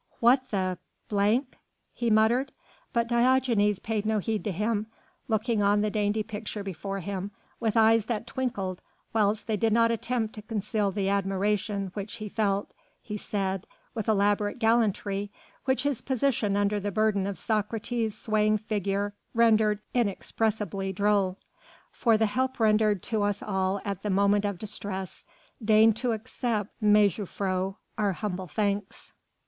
"What the h ?" he muttered. But Diogenes paid no heed to him; looking on the dainty picture before him, with eyes that twinkled whilst they did not attempt to conceal the admiration which he felt, he said, with elaborate gallantry, which his position under the burden of Socrates' swaying figure rendered inexpressibly droll: "For the help rendered to us all at the moment of distress, deign to accept, mejuffrouw, our humble thanks.